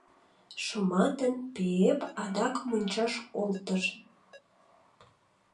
Шуматын Пеэп адак мончаш олтыш.